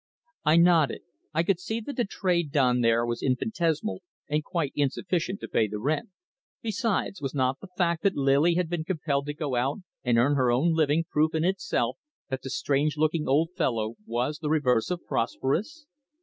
I nodded. I could see that the trade done there was infinitesimal and quite insufficient to pay the rent; besides, was not the fact that Lily had been compelled to go out and earn her own living proof in itself that the strange looking old fellow was the reverse of prosperous?